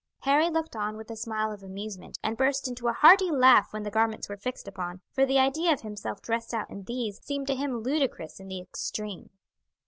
Harry looked on with a smile of amusement, and burst into a hearty laugh when the garments were fixed upon, for the idea of himself dressed out in these seemed to him ludicrous in the extreme.